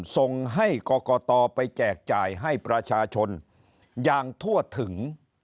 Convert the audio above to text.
ส่งให้กรกตไปแจกจ่ายให้ประชาชนอย่างทั่วถึง